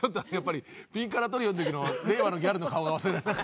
ぴんからトリオのときの令和のギャルの顔が忘れられない。